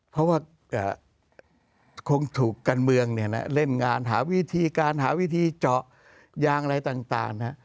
เพราะว่าคงถูกการเมืองเล่นงานหาวิธีการหาวิธีเจาะยางอะไรต่าง